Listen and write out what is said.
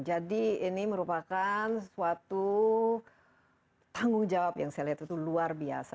jadi ini merupakan suatu tanggung jawab yang saya lihat itu luar biasa